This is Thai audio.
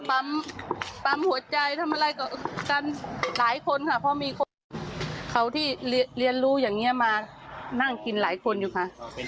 ปั๊มปั๊มหัวใจทำอะไรกับกันหลายคนค่ะเพราะมีคนเขาที่เรียนรู้อย่างนี้มานั่งกินหลายคนอยู่ค่ะ